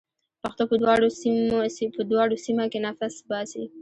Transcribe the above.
پښتو په دواړو سیمه کې نفس باسي.